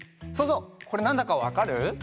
そうぞうこれなんだかわかる？